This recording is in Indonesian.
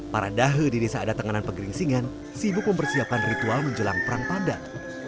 para dahe di desa ada tenganan pegering singan sibuk mempersiapkan ritual menjelang perang pandan